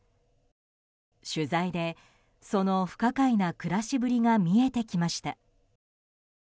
取材でその不可解な暮らしぶりが見えてきました。